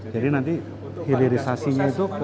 jadi nanti hilerisasinya itu ke